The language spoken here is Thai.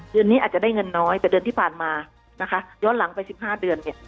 เดือนนี้อาจจะได้เงินน้อยแต่เดือนที่ผ่านมานะคะย้อนหลังไป๑๕เดือนเนี่ย